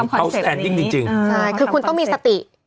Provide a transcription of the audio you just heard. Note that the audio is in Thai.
เขาทำคอนเซตนี้คือคุณต้องมีสติ